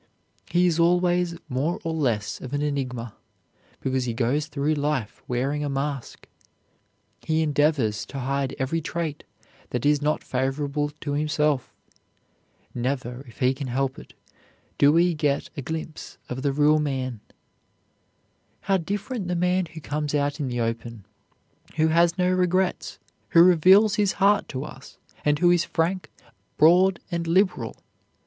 He is always more or less of an enigma, because he goes through life wearing a mask. He endeavors to hide every trait that is not favorable to himself. Never, if he can help it, do we get a glimpse of the real man. How different the man who comes out in the open, who has no secrets, who reveals his heart to us, and who is frank, broad and liberal!